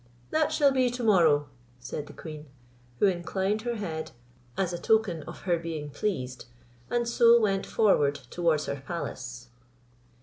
"That shall be to morrow," said the queen; who inclined her head, as a token of her being pleased, and so went forward towards her palace.